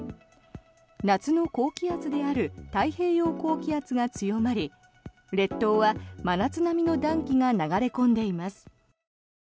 夏の高気圧である太平洋高気圧が強まり列島は真夏並みの暖気が流れ込んでいます。